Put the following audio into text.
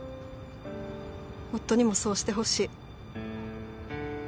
夫にもそうしてほしい。